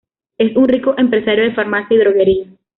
Es un rico empresario de farmacia y droguería.